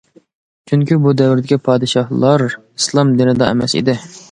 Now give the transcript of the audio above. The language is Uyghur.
چۈنكى بۇ دەۋرىدىكى پادىشاھلار ئىسلام دىنىدا ئەمەس ئىدى.